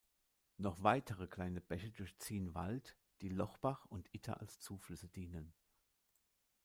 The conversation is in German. Noch weitere kleine Bäche durchziehen Wald, die Lochbach und Itter als Zuflüsse dienen.